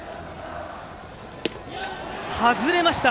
外れました。